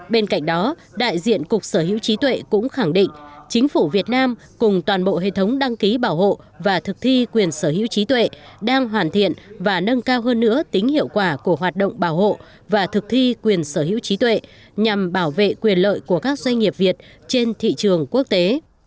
bên cạnh đó đại diện cục sở hữu trí tuệ cũng khẳng định chính phủ việt nam cùng toàn bộ hệ thống đăng ký bảo hộ và thực thi quyền sở hữu trí tuệ đang hoàn thiện và nâng cao hơn nữa tính hiệu quả của hoạt động bảo hộ và thực thi quyền sở hữu trí tuệ nhằm bảo vệ quyền lợi của các doanh nghiệp việt trên thị trường quốc tế